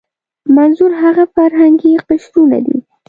منظور هغه فرهنګي قشرونه دي.